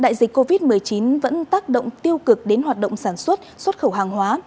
đại dịch covid một mươi chín vẫn tác động tiêu cực đến hoạt động sản xuất xuất khẩu hàng hóa